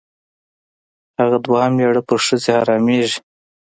هغه دویم مېړه پر ښځې حرامېږي.